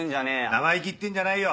生意気言ってんじゃないよ